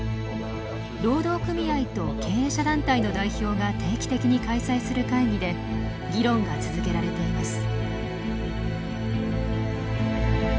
労働組合と経営者団体の代表が定期的に開催する会議で議論が続けられています。